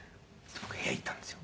で僕部屋行ったんですよ